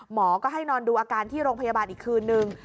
หมอก็ให้นอนดูอาการที่โรงพยาบาลอีกคืนนึง